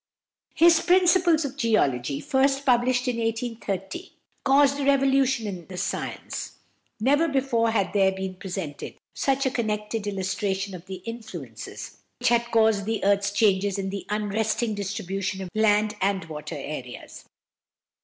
His "Principles of Geology," first published in 1830, caused a revolution in the science. Never before had there been presented such a connected illustration of the influences which had caused the earth's changes in the unresting distribution of land and water areas.